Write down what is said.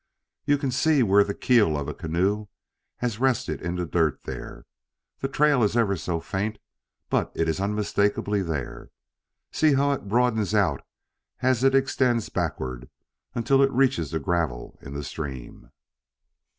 "You can see where the keel of a canoe has rested in the dirt there. The trail is ever so faint, but it is unmistakably there. See how it broadens out as it extends backward until it reaches the gravel in the stream."